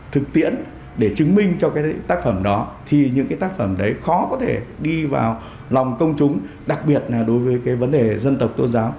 thực tiễn để chứng minh cho cái tác phẩm đó thì những cái tác phẩm đấy khó có thể đi vào lòng công chúng đặc biệt là đối với cái vấn đề dân tộc tôn giáo